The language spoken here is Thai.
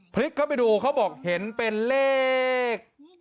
พลิกเข้าไปดูเขาบอกเห็นเป็นเลข